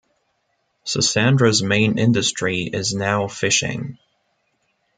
Sassandra's main industry is now fishing.